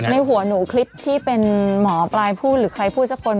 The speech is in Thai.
ในหัวหนูคลิปที่เป็นหมอปลาปลายพูดหรือใครพูดสักคน